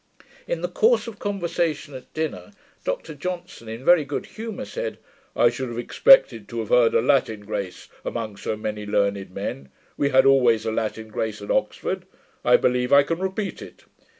In the course of conversation at dinner, Dr Johnson, in very good humour, said, 'I should have expected to have heard a Latin grace, among so many learned men: we had always a Latin grace at Oxford. I believe I can repeat it.'